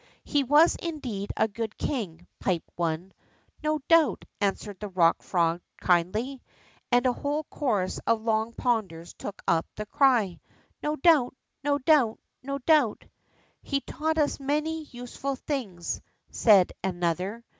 " lie was indeed a good king/' piped one. 1^0 doubt/' answered the Kock Frog, kindly. And a whole chorus of Long Ponders took up tlie cry : Ho doubt ! Ho doubt ! Ho doubt !" lie taught us many useful things/' said an other.